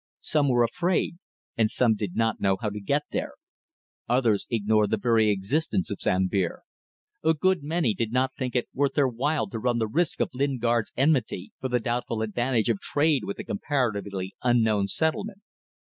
Some were afraid, and some did not know how to get there; others ignored the very existence of Sambir; a good many did not think it worth their while to run the risk of Lingard's enmity for the doubtful advantage of trade with a comparatively unknown settlement.